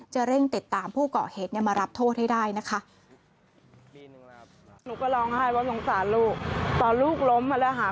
เร่งติดตามผู้เกาะเหตุเนี่ยมารับโทษให้ได้นะคะ